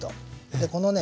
でこのね